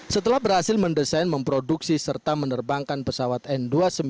setelah berhasil mendesain memproduksi serta menerbangkan pesawat n dua ratus sembilan puluh